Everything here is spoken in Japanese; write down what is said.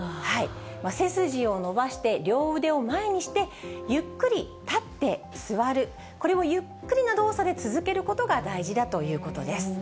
背筋を伸ばして、両腕を前にして、ゆっくり立って座る、これをゆっくりな動作で続けることが大事だということです。